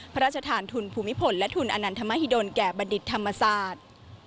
พระราชทานทุนภูมิพลและทุนอนันทมหิดลแก่บัณฑิตธรรมศาสตร์